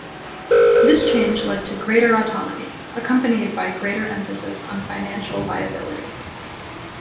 This change led to greater autonomy, accompanied by greater emphasis on financial viability.